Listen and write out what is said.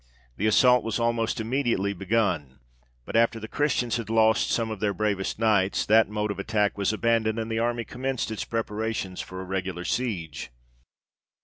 The assault was almost immediately begun; but after the Christians had lost some of their bravest knights, that mode of attack was abandoned, and the army commenced its preparations for a regular siege.